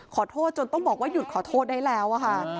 ขอโทษจนต้องบอกว่าหยุดขอโทษได้แล้วค่ะ